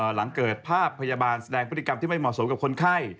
หลังเกิดภาพพยาบาลแสดงพฤติกรรมที่ไม่เหมาะสมกับคนไข้